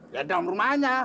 ya daun rumahnya